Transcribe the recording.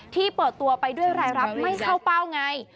ที่เปิดตัวไปด้วยรายรับไม่เข้าเป้าไง